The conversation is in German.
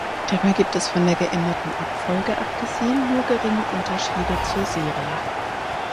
Dabei gibt es von der geänderten Abfolge abgesehen nur geringe Unterschiede zur Serie.